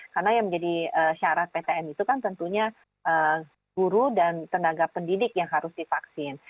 karena yang menjadi syarat ptm itu kan tentunya guru dan tenaga pendidik yang harus divaksin